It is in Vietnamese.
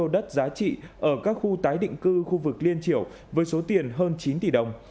đá trị ở các khu tái định cư khu vực liên triểu với số tiền hơn chín tỷ đồng